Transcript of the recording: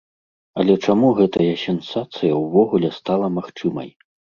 Але чаму гэтая сенсацыя ўвогуле стала магчымай?